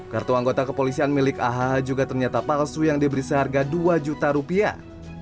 kartu anggota kepolisian milik ahh juga ternyata palsu yang diberi seharga dua juta rupiah